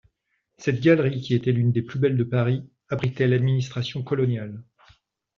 Cette galerie, qui était l’une des plus belles de Paris, abritait l’administration coloniale.